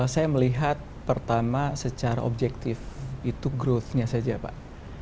saya melihat pertama secara objektif itu growth nya saja pak